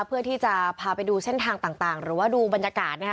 เพื่อที่จะพาไปดูเส้นทางต่างหรือว่าดูบรรยากาศนะคะ